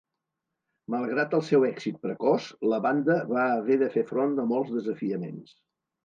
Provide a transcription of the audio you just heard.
Malgrat el seu èxit precoç, la banda va haver de fer front a molts desafiaments.